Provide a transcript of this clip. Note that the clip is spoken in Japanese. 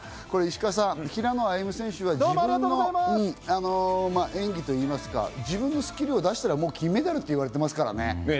石川さん、平野歩夢選手は演技といいますか、自分のスキルを出したら金メダルと言われていますからね。